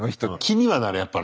気にはなるやっぱ。